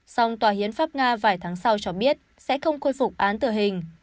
song tòa hiến pháp nga vài tháng sau cho biết sẽ không khôi phục án tử hình